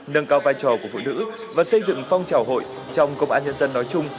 nâng cao vai trò của phụ nữ và xây dựng phong trào hội trong công an nhân dân nói chung